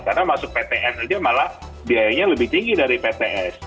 karena masuk ptn aja malah biayanya lebih tinggi dari pts